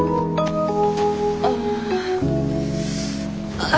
ああ。